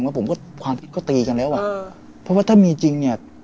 แล้วผมก็ความผิดก็ตีกันแล้วอ่ะเพราะว่าถ้ามีจริงเนี่ย